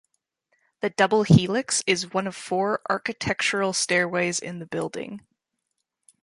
The double helix is one of four ‘architectural’ stairways in the building.